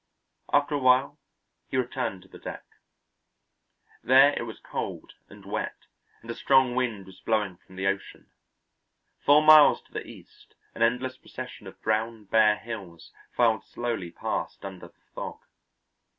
After a while he returned to the deck. There it was cold and wet and a strong wind was blowing from the ocean. Four miles to the east an endless procession of brown, bare hills filed slowly past under the fog.